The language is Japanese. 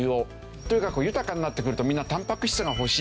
とにかく豊かになってくるとみんなタンパク質が欲しい。